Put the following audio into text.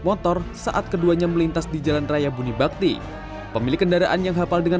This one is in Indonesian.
motor saat keduanya melintas di jalan raya bunibakti pemilik kendaraan yang hafal dengan